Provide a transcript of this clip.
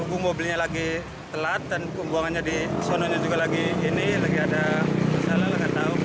hubung mobilnya lagi telat dan kembuangannya di sononya juga lagi ini lagi ada masalah